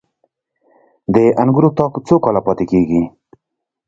د انګورو تاک څو کاله پاتې کیږي؟